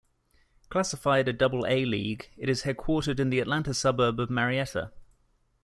Classified a Double-A league, it is headquartered in the Atlanta suburb of Marietta.